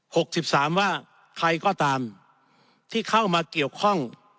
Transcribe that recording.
หกสิบสามว่าใครก็ตามที่เข้ามาเกี่ยวข้อง